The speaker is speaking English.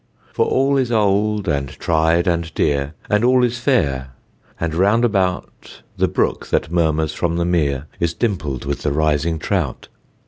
For all is old, and tried, and dear, And all is fair, and round about The brook that murmurs from the mere Is dimpled with the rising trout.